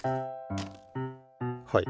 はい。